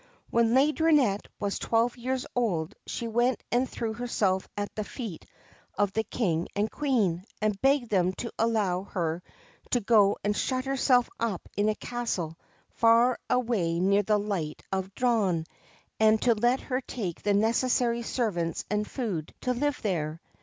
When Laideronnette was twelve years old, she went and threw herself at the feet of the King and Queen, and begged them to allow her to go and shut herself up in a castle far away near the Light of Dawn, and to let her take the necessary servants and food to live there.